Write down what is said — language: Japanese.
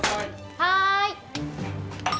はい。